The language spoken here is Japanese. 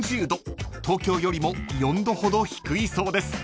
［東京よりも４℃ほど低いそうです］